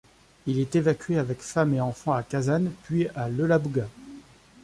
Il est évacué avec femme et enfants à Kazan, puis, à Ielabouga.